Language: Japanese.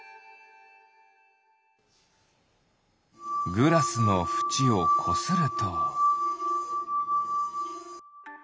グラスのふちをこすると。